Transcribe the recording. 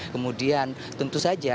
kemudian tentu saja